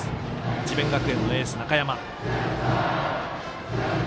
智弁学園のエース、中山。